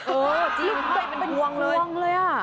เออจริงเป็นพวงเลยอ่ะ